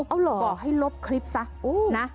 เอาเหรอบอกให้ลบคลิปซะนะ